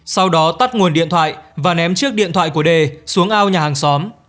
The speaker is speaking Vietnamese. sau đó tắt nguồn điện thoại và ném chiếc điện thoại của đề xuống ao nhà hàng xóm